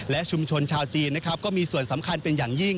และชุมชนชาวจีนนะครับก็มีส่วนสำคัญเป็นอย่างยิ่ง